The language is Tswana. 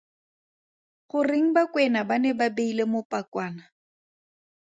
Goreng Bakwena ba ne ba beile mopakwana?